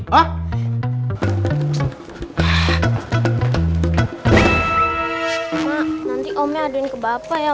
mak nanti omnya adain ke bapak ya